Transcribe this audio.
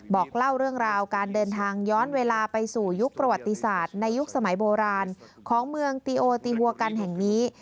บอกเล่าเรื่องราวการเดินทางย้อนเวลาไปสู่ยุคประวัติศาสตร์ในยุคสมัยโบราณของเมืองตีโอตีหัวกันแห่งนี้